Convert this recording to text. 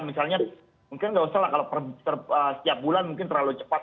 misalnya mungkin nggak usah lah kalau setiap bulan mungkin terlalu cepat